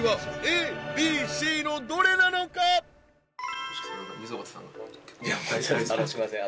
あのすいません